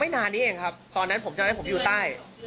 นานนี้เองครับตอนนั้นผมจำได้ผมอยู่ใต้